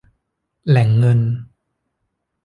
แหล่งเงิน